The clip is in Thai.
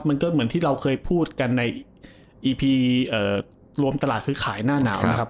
มันก็เหมือนที่เราเคยพูดกันในอีพีรวมตลาดซื้อขายหน้าหนาวนะครับ